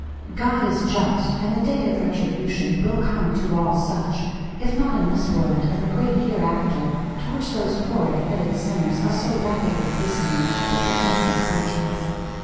"'God is just,' and the day of retribution will come to all such, if not in this world, in the great hereafter, to which those hoary headed sinners are so rapidly hastening, with an innocent conscience.